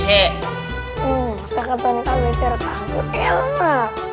sakatonik abc rasaku enak